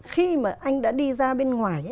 khi mà anh đã đi ra bên ngoài